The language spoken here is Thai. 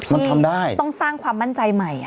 มันทำได้ต้องสร้างความมั่นใจใหม่